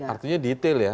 artinya detail ya